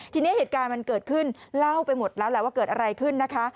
ทีนี้เหตุการณ์มันเกิดขึ้นเล่าไปหมดแล้วแหละว่าเกิดอะไรขึ้นนะคะ